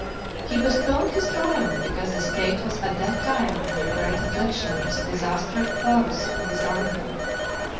He postponed his triumph, because (205) the state was at that time under great affliction for the disaster of Varus and his army.